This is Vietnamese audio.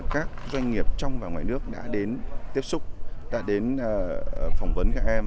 các doanh nghiệp trong và ngoài nước đã đến tiếp xúc đã đến phỏng vấn các em